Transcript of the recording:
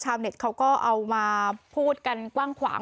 เน็ตเขาก็เอามาพูดกันกว้างขวาง